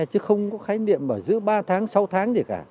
chứ không có khái niệm giữ ba sáu tháng gì cả